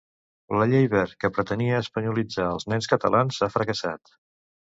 La llei Wert, que pretenia "espanyolitzar" els nens catalans, ha fracassat.